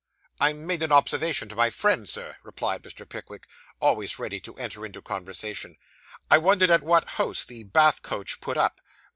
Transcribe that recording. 'I made an observation to my friend, sir,' replied Mr. Pickwick, always ready to enter into conversation. 'I wondered at what house the Bath coach put up.